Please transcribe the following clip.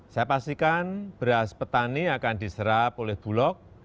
saya pastikan beras petani akan diserap oleh bulog